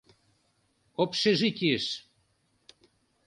— Общежитийыш.